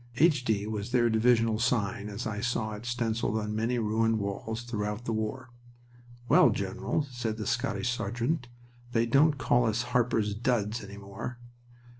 H.D. was their divisional sign as I saw it stenciled on many ruined walls throughout the war. "Well, General," said a Scottish sergeant, "they don't call us Harper's Duds any more!"...